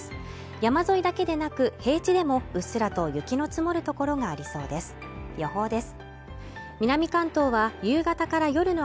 山沿いだけでなく平地でもうっすらと雪の積もる所がありそうです